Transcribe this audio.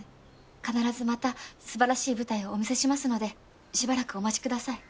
必ずまたすばらしい舞台をお見せしますのでしばらくお待ちください。